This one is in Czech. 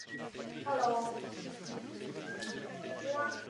Spolu pak měli tři syny.